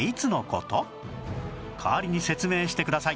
代わりに説明してください